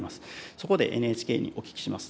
そこでＮＨＫにお聞きします。